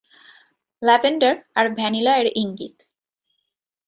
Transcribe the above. Lavender, আর ভ্যানিলা-এর ইঙ্গিত।